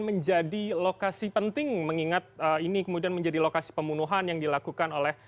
menjadi lokasi penting mengingat ini kemudian menjadi lokasi pembunuhan yang dilakukan oleh